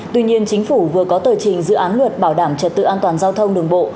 tuy nhiên chính phủ vừa có tờ trình dự án luật bảo đảm trật tự an toàn giao thông đường bộ